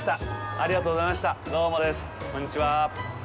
ありがとうございます。